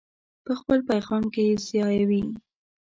په خپل پیغام کې یې ځایوي.